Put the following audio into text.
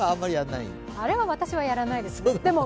あれは私はやらないですね。